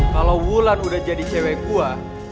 kalau wulan udah jadi cewek gue